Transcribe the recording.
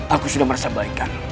aku sudah merasa baikkan